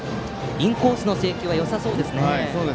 インコースの制球はよさそうです。